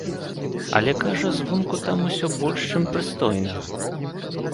Але, кажа, звонку там усё больш чым прыстойна.